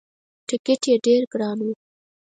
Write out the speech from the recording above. ټکت یې ډېر ګران وو.